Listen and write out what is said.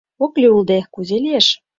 Ок лий улде, кузе лиеш!